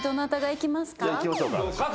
いきましょうか。